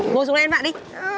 ngồi xuống đây ăn vạ đi